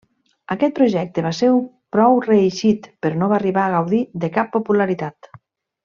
Aquest projecte va ser prou reeixit però no va arribar a gaudir de cap popularitat.